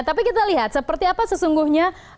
tapi kita lihat seperti apa sesungguhnya